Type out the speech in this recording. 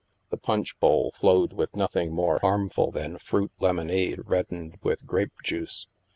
The *' punch bowl " flowed with nothing more harm 86 THE MASK ful than fruit lemonade reddened with grape juice.